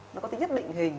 nó có thể nhất định hình